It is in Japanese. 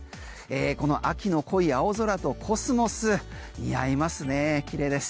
この秋の濃い青空とコスモス似合いますね綺麗です。